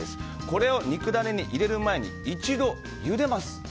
これを肉ダネに入れる前に一度ゆでます。